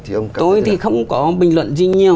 tôi thì không có bình luận gì nhiều